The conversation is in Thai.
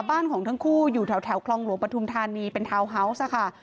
บ้านของทั้งคู่อยู่แถวคลองหลวงปฐุมธานีเป็นทาวน์ฮาวส์ค่ะ